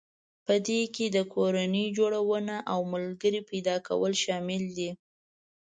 په دې کې د کورنۍ جوړونه او ملګري پيدا کول شامل دي.